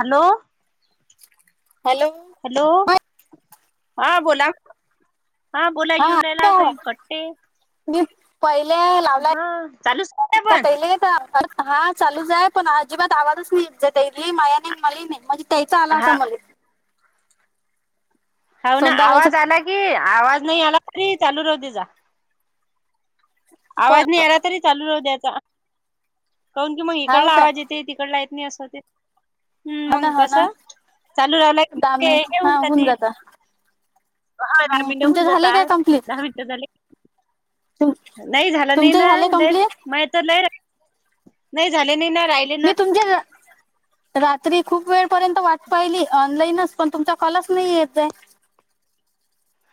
Hello. Hello. Hello हा बोला. हा बोला येऊन राहिला काही कट्टे मी पहिले लावला [unintelligible] हा चालूच राहते पण का हा चालूच आहे पण अजिबात आवाजच नाहीजतयली मायाने मली नाही माझी त्याचा आला हा आता मले होना सोंदाळ्याचा आवाज आला की आवाज नाही आला तरी चालू राहूदे जा. बर आवाज नाही आलातरी चालू राहू द्यायचा कायुन की मग हाव इकडला काय आवाज येत ते तिकडला येत नाही असं ते हम्म, हो ना मंग हो ना कसं चालू राहिला की दहा ते मिनिट घेऊन हा होऊन जातील. जाता हाय ह रामीनड तुमचे होऊन झाले काय जातात कम्प्लीट दहा मिनटं झाले. तुम नाही झालं नाही तुमचे ना झाले लेर कम्प्लीट मये तर लय र नाही झाले नई ना राहि मी तुमच्या रात्री खूप वेळपर्यंत वाट पाहिली ऑनलाईनच पण तुमचा कॉलाच नाही येत आहे.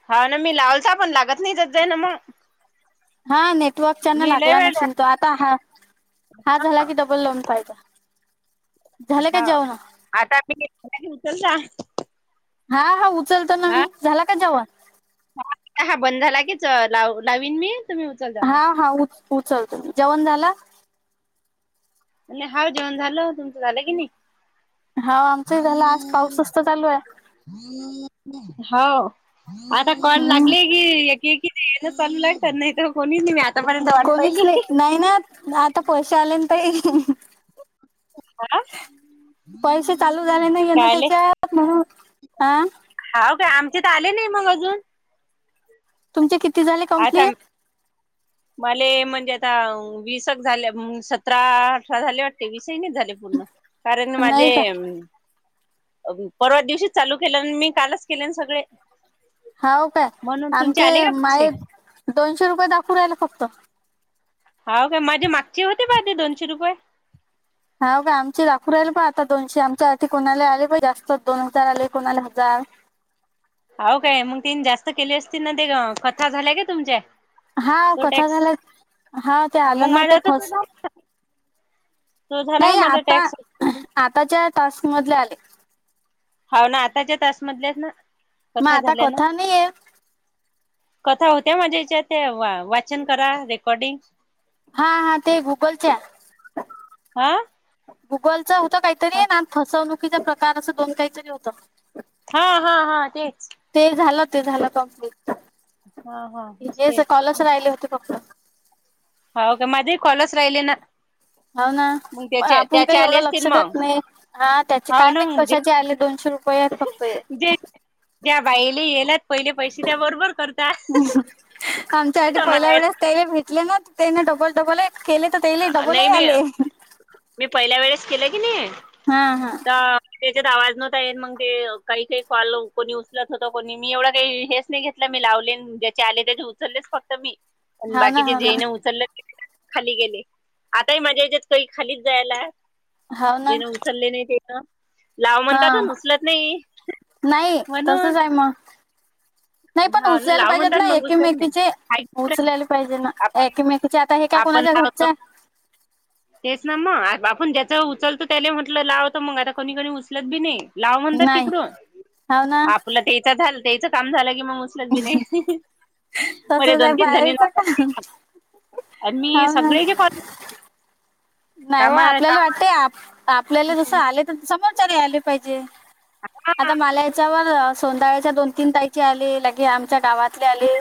हा ना मी लावलता पण लागत नाही जात जाई ना मग. हा नेटवर्कच्या ना मी लय लागला वेळ नसेल तो आता हा हा झाला की डबल लाऊन पाहेचा. हा आता मीनी [unintelligible] उचल ला. हा हा उचलतना मी झाला का जेवण? हा हा बंद झाला की च लाव लावीन मी. तुम्ही उचल जा. हा हा उच उचलतो मी, जेवण झाला? म्हणे हा जेवण झालं तुमचं झालं की नी? हा आमचही झालं आज पाऊसच तर चालू आहे. हा आता कॉल हम्म लागली की एकी-एकी चे हेजात चाललेल आहे तर नाहीतर कोणीच नाही मी आ कोणीच नाही नाही नाथ न आता पैशे आलेना ताई तुम्हाला पैशे चालू झाले नाय येना आले त्याच्यात म्हणून हा. हाव का आमचे त आले नाही मग अजून? तुमचे किती झाले आता कंप्लीट? मले म्हणजे आता वीस एक झाल्या सतरा अठरा झाले वाटते वीसही नाही झाले पूर्ण कारण नाही माझे का परवा दिवशीच चालू केलं न मी कालंच केलेना सगळे. हाउ काय म्हणून तुमचे आमचे आले का पैसे? माय दोनशे रुपये दाखवू राहिला फक्त. हाउ काय माझे मागचे होते बाय ते दोनशे रुपये. हाउ काय आमचे दाखू राहिले पाय आता दोनशे आमच्या आदि कोणाला आले पाय जास्त दोन हजार आले कोणाला हजार. हो काय मग तिन जास्त केले असतीन तेग कथा झाल्या काय तुमच्या? हा हो तो कथा टॅक्स. झाल्यात हा ते मग आलं नव्हते माझा तर तो फस झाला तो झाला नाही माझा आता टॅक्स आताच्या टास्क मधले आले. हाव ना आताच्या टास्क मधल्यात ना मग कथा आता झाल्या ना नाही आहे कथा होत्या माझ्या हेच्यात ते वा वाचन करा रेकॉर्डिंग. हा हा ते गुगलच्या. हा. गुगलच होतं काहीतरी आणि फसवणुकीचा प्रकार असं दोन काहीतरी होतं. हा हा हा तेच. ते झालं ते झालं कंप्लीट हा हा हेच तेच कॉलच राहिले होते फक्त. हो का माझे खॉलच राहिले ना. हो ना‌ मग पन त्याचे आपूण त्याचे काही आले एवढं असतील लक्ष मग देत नाही. हा त्याचे हाव काय ना माहित म्हणजे कशाचे आले दोनशे रुपया आहेत फक्त ये. त्या बाइले येल्यात पहिले पैशे त्या बरोबर करत आमच्यासाठी पहिल्या वेळेस नाही तेला भेटले ना ते ना डबल डबल आहे. केले तर तेले डबल ही मी आले. मी पहिल्या वेळेस केलं की नाही हा हा. ता त्याच्यात आवाज नव्हता येन मग ते काही काही कॉल कोणी उचलत होत कोणी मी एवढं काही हेच नाही घे टला मी लावलेन ज्याचे आले त्याचे उचललेच फक्त मी. पण हाव ना बाकीचे हाव ना जेने उचलले खाली गेले. आताही माझ्या याच्यात काही खालीच जायला हाव ना जेने उचलले नाही ते लाव म्हणतात हा उचलत नाही. नाही तसच म्हणून आहे म. नाही पण हा ना उचलायला लाव पाहिजेत म्हणतात ना मग उचलत एकमेकीचे नाही उचलायले पाहिजे ना आपण एकमेकीचे आता हे काय आपण कोणाच्या घर लावतो चा तेच ना मग आ आपण ज्याचा उचलतो त्याले म्हटलं लावतं मग आता कोणीकोणी उचलत बी नाही. लाव म्हणतात नाही तिकडून हाव ना आपलं तेचा झा तेचा काम झालं की म उचलत बी नाय. बरे तसंच आहे दोन-तीन जणी बाहेरचं का [inaudible] आणि मी हाव ना सगळे जे कॉ नाही हो आपल्याला वाटतय काम आप आपल्याला जसं आले तर समोरच्यारी आले पाहिजे. आता माला याच्यावर सोनधाळ्याच्या दोन-तीन तारीखे आले लगे आमच्या गावात ठले आले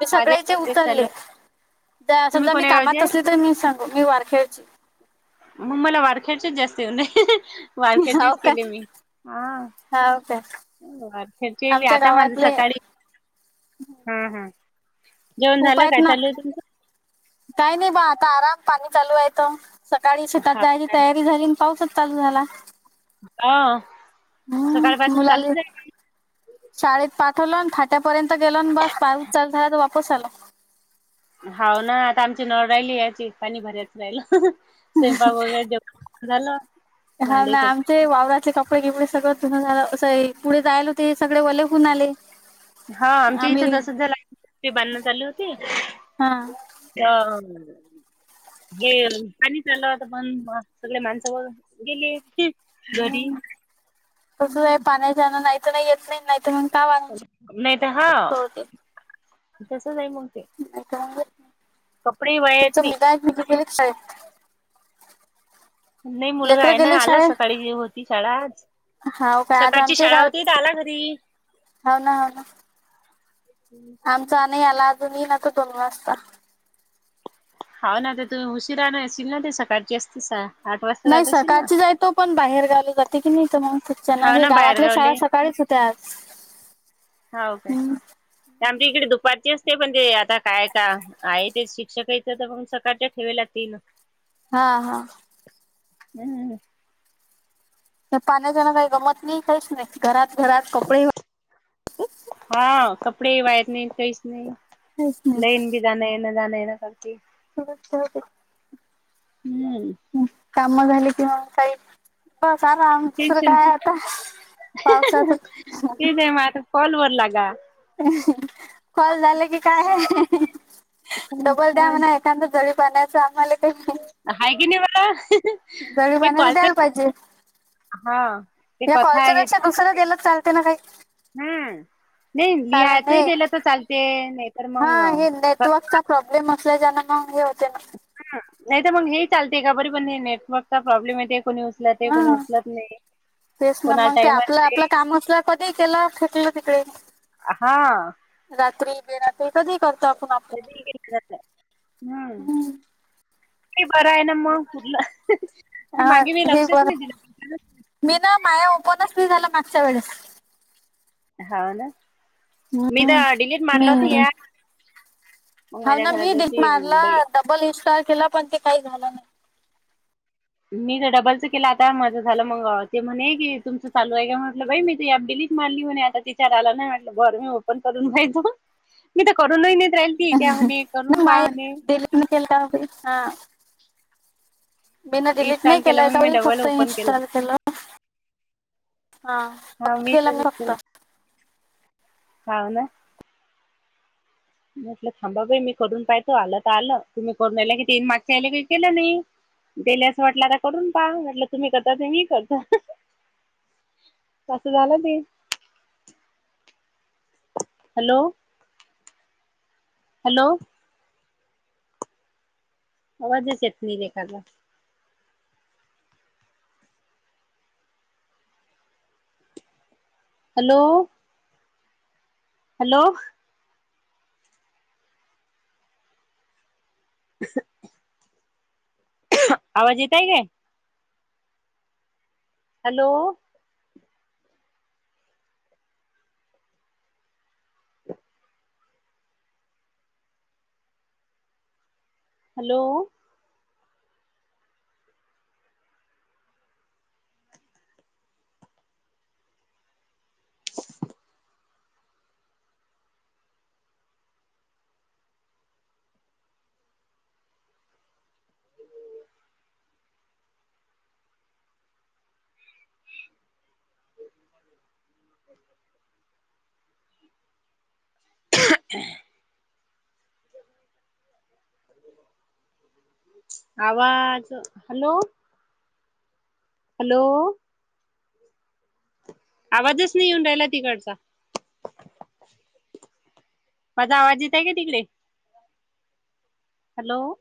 मी सगळ्याचे माझे उचरले चालू त्या तुम्ही समजा मी कोण्या कामात गावचे असले तर मी सांगू मी वार खेळची मग मला वारख्याच्याच जास्त उने हो वारख्याचेच केले काय मी हा. हाव काय वारख्याचे मी आमच्या आता माझं गावातले सकाळी हा हा. जेवण खूप झालं आहेत काय ना चालू आहे तुमचं काय नाही बा आता आराम पाणी चालू आहे तो. सकाळी शेतात हा जायची तयारी झाली आणि पाऊसच चालू झाला. आं हम्म मुलाली शाळेत पाठवलं अनं फाट्यापर्यंत गेलो अनं बस पाय उचलझात वापस आला. हाव ना आता आमची नळ राहिली याची पाणी भऱ्याच राहिलं, स्वयंपाक वगैरे दे झालं हा भांडे ना कप आमचे वावराचे कप पडे एवढं सगळं पुनः झाला असं आहे, पुढे जायला होते सगळे वले होऊन आले. हा आमच्या आम्ही इथं तसचं झाला [inaudible] बांधण चालू होती. हा जाम होत पण सगळे माणसं व गेले घरी हम्म तसंच आहे पाण्याच्यानं नाही तर नाही येत नाही नाही तर मग का वाहून नाही तर हा सोडते तसच आहे मग ते नाही तर मग कपडे वाया येत तुमचं नाही मुलगा आहे मुलगी गेली शाळेत नाही मुलगा लेकरं आहे ना गेले आला शाळेत सकाळी होती शाळा आज हाव काय आज सकाळची आमच्या शाळा होती गावात तर आला घरी हाव ना हाव ना आमचा नाही आला अजून येईन आता दोन वाजता. हाव ना तर तुम्ही उशिरा ना असशील ना ते सकाळची असते आठ वाजता नाही जात असशील ना सकाळची जाय तो पण बाहेर गावला जाते की नाही तर मग त्याच्यानं हाव हे ना गावातल्या शाळा बाहेरगावले सकाळीच होत्या आज. हाव काय हम्म आमच्या इकडे दुपारची असते पण ते आता काय का आहे ते शिक्षक यायचं तर मग सकाळच्या ठेवे लागतील हा हा हम्म त्या पाण्याच्यानं काही गमत नाही काहीच नाही घरात घरात कपडे हा कपडे वाळत नाही काहीच नाही काहीच नाही लाईन बी जाणं येणं जाणं येणं करते सुरूच ठेवते. हम्म काम झाले की मग काही बस आराम दुसरं टेन्शन काय आता तेच पावसाचं आहे मग आता कॉल वर लागा कॉल झाले की काय डबल द्या म्हणा एखादं जळी पाण्याचं आम्हाला काही हाय की नाही बरं जळी हे पाण्याचं कॉलच द्यायला पाहिजे. हा ते या कथा कॉलच्या आहे पेक्षा दुसरं दिलं चालते ना काही हम्म नाही कारण हे लिहायचंही दिलं तर चालते नाही तर हा मग हे नेटवर्कचा प्रॉब्लेम असल्याच्यानं मग हे होते ना नाही तर मग हे चालते का बरी पण हे नेटवर्कचा प्रॉब्लेम येते कोणी उचलते कोणी हा उचलत नाही तेच ना कोणाला मग ते टाइम आपलं असते आपलं काम असलं कधी केलं फेकलं तिकडे हा रात्री बेरात्री कधी करतो आपण आपलं कधी हम्म हम्म. ते बरं आहे ना मग कुठलं ते हा मागे मी हे लक्षच बर नाही दिलं मी ना माया ओपनच नाही झालं मागच्या वेळेस हो ना मी तर डिलीट मी मारलं होतं या मग हा माझ्या ना मी डिलीट घराजवळची एक मारला बाई डबल इन्स्टॉल केला पण ते काही झालं नाही मी तर डबलचं केलं आता माझं झालं मग ते म्हणे की तुमचं चालू आहे का म्हटलं बाई मी तर ॲप डिलीट मारली म्हणे आता तिच्यावर आला नाही म्हटलं बरं मी ओपन करून पाहिजे मी तर करूनही नेत राहील ती त्या म्हणे करून ना पहा माय म्हणे डिलीट नाही केलं का? हा मी ना डिलीट नाही इन्स्टॉल केलं केलं मग मी याच्यावरही डबल फक्त ओपन केलं इन्स्टॉल केलं हा हा मी केला मी तसंच फक्त केलं हो ना म्हटलं थांबा बाई मी करून पाहतो आलं तर आलं तुम्ही करून राहिला की तीन मागच्या यायला काही केलं नाही त्याला असं वाटलं आता करून पहा म्हटलं तुम्ही करता ते मी करता असं झालं ते हॅलो हॅलो आवाजच येत नाही रेखाचा हॅलो हॅलो आवाज येत आहे काय हॅलो हॅलो आवाज हॅलो हॅलो आवाजच नाही येऊन राहिला तिकडचा माझा आवाज येत आहे का तिकडे हॅलो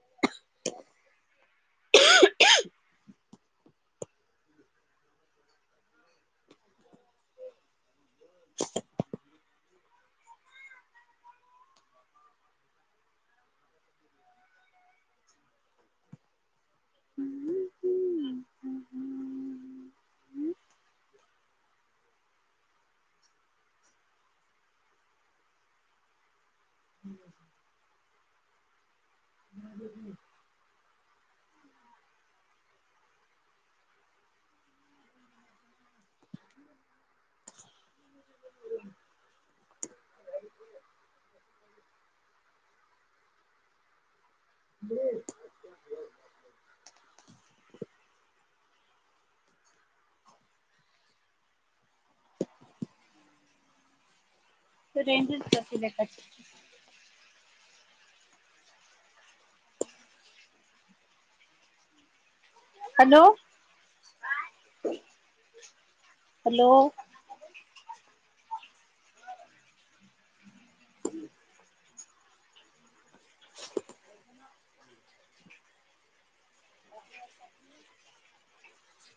रेंजच जाते लेकाची हॅलो हॅलो